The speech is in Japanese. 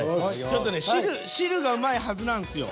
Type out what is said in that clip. ちょっとね汁がうまいはずなんですよ。